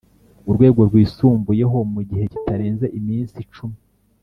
urwego rwisumbuyeho mu gihe kitarenze iminsi cumi